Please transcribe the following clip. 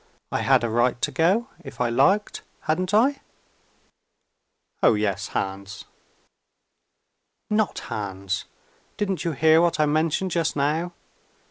I had a right to go, if I liked hadn't I?" "Oh, yes, Hans." "Not Hans! Didn't you hear what I mentioned just now?